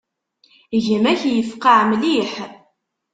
Gma-k yefqeε mliḥ.